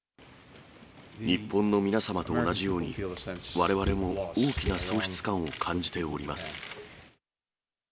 日本の皆様と同じように、われわれも大きな喪失感を感じております。